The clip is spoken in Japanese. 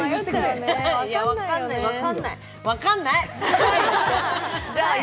分かんない！